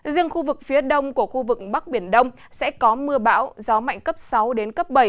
riêng khu vực phía đông của khu vực bắc biển đông sẽ có mưa bão gió mạnh cấp sáu đến cấp bảy